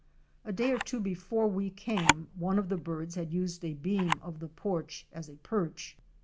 A day or two before we came one of the birds had used a beam of the porch as a perch.